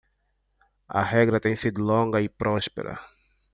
A regra tem sido longa e próspera.